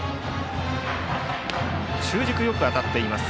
中軸がよく当たっています。